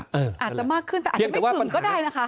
อาจจะมากขึ้นแต่อาจจะไม่ถึงก็ได้นะคะ